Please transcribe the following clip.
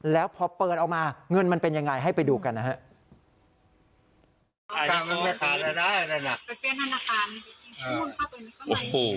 แล้วพอเปิดเอามาเงินมันเป็นอย่างไรให้ไปดูกันครับ